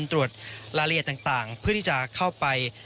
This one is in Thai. ตรวจรายละเอียดต่างเพื่อที่จะเข้าไป